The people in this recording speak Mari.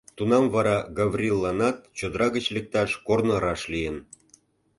Тунам вара Гаврилланат чодыра гыч лекташ корно раш лийын.